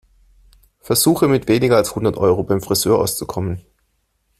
Versuche, mit weniger als hundert Euro beim Frisör auszukommen.